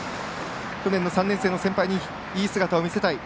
去年の３年生の先輩にいい姿を見せたい。